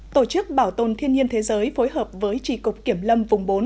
tổ chức bảo tồn thiên nhiên thế giới phối hợp với trì cục kiểm lâm vùng bốn